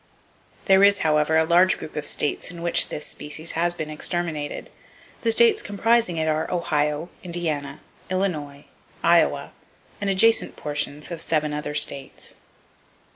There is, however, a large group of states in which this species has been exterminated. The states comprising it are Ohio, Indiana, Illinois, Iowa, and adjacent portions of seven other states.